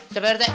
siap pak rt